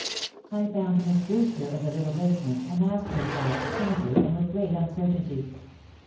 I found Miss Brewster in the little basement and asked her for it timidly and with great uncertainty.